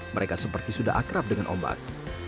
mereka seperti sudah akrab dengan ombak